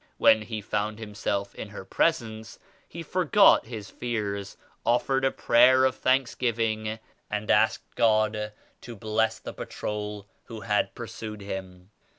When he found himself in her presence 81 he forgot his fears, offered a prayer of thanks giving and asked God to bless the patrol who had pursued him.